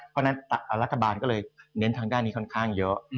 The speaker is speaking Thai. ข้างบนเลยก็เน้นทางด้านนี้ค่อนข้างเยอะ